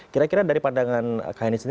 kira kira dari pandangan kak heni sendiri